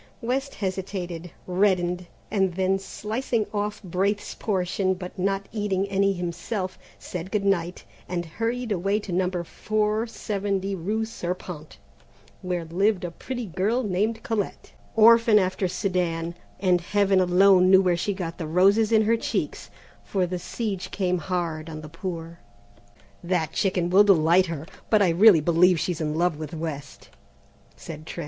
West hesitated, reddened, and then slicing off Braith's portion, but not eating any himself, said good night, and hurried away to number 470 rue Serpente, where lived a pretty girl named Colette, orphan after Sedan, and Heaven alone knew where she got the roses in her cheeks, for the siege came hard on the poor. "That chicken will delight her, but I really believe she's in love with West," said Trent.